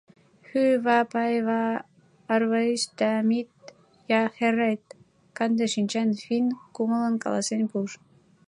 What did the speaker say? — Хӱвӓӓ пӓйвӓӓ, арвоисат даамит йа херрет! — канде шинчан финн кумылын каласен пуыш.